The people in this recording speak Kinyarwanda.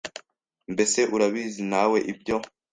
Mbese urabizi nawe ibyo